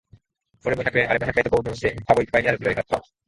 これも百円、あれも百円と興奮してカゴいっぱいになるくらい買った